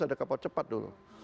ada kapal cepat dulu